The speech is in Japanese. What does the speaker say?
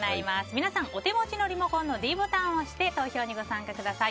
皆さん、お手持ちのリモコンのｄボタンを押して投票にご参加ください。